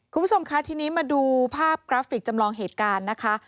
คุณผู้ชมคะทีนี้มาดูภาพกราฟิกจำลองเหตุการณ์นะคะ